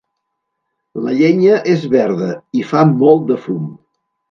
La llenya és verda i fa molt de fum.